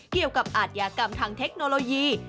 เกี่ยวกับอาทยากรรมทางเทคโนโลยี